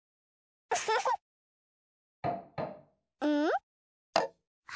うん？